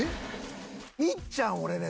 みっちゃん俺ね